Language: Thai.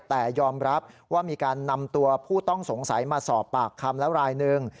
แต่ยอมรับว่ามีการนำตัวผู้ต้องสงสัยมาสอบปากคำแล้วรายหนึ่ง